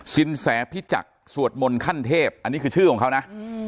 สินแสพิจักษ์สวดมนต์ขั้นเทพอันนี้คือชื่อของเขานะ